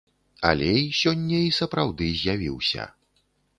Алей сёння і сапраўды з'явіўся.